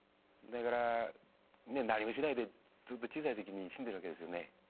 だからね何もしないで小さい時に死んでるわけですよね。